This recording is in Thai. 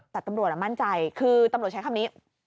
แต่ตำรวจมั่นใจคือตำรวจใช้คำนี้